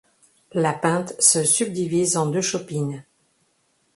La pinte se subdivise en deux chopines.